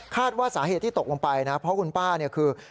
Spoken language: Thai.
คาดว่าสาเหตุที่ตกลงไปนะเพราะคุณป้าคือ